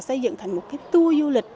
xây dựng thành một tour du lịch